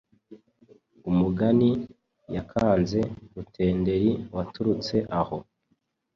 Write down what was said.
umugani yakanze Rutenderi waturutse aho